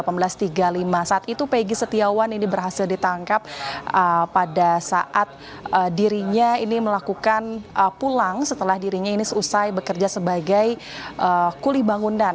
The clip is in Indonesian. saat itu peggy setiawan ini berhasil ditangkap pada saat dirinya ini melakukan pulang setelah dirinya ini selesai bekerja sebagai kuli bangunan